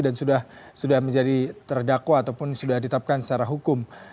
dan sudah menjadi terdakwa ataupun sudah ditetapkan secara hukum